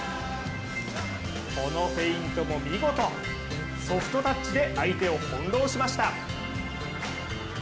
このフェイントも見事、ソフトタッチで相手を翻弄しました。